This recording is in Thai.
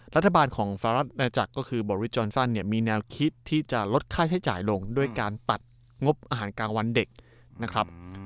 รัฐบาลของสหรัฐนาจักรก็คือบอริจจอนซันเนี่ยมีแนวคิดที่จะลดค่าใช้จ่ายลงด้วยการตัดงบอาหารกลางวันเด็กนะครับ